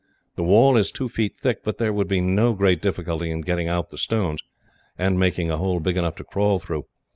The wall is two feet thick, but there would be no great difficulty in getting out the stones, and making a hole big enough to crawl through.